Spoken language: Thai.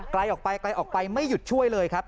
ไกลออกไปไกลออกไปไม่หยุดช่วยเลยครับ